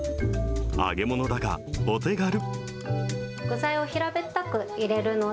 揚げ物だがお手軽。